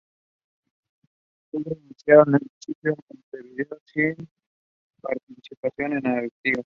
En octubre iniciaron el sitio de Montevideo sin participación de Artigas.